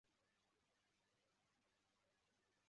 Irushanwa rya greyhound ryera nkumubare wimbwa